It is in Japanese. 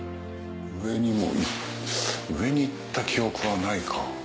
上にも上に行った記憶はないか。